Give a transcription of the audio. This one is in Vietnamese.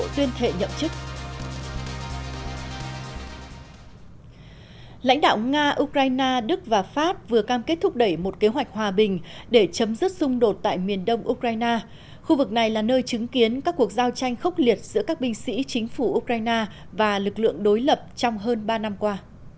lãnh đạo nga ukraine đức và pháp vừa cam kết thúc đẩy một kế hoạch hòa bình để chấm dứt xung đột tại miền đông ukraine khu vực này là nơi chứng kiến các cuộc giao tranh khốc liệt giữa các binh sĩ chính phủ ukraine và lực lượng đối lập trong hơn ba năm qua